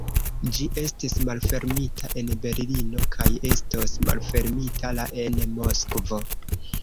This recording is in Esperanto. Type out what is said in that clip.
Ĝi estis malfermita en Berlino kaj estos malfermita la en Moskvo.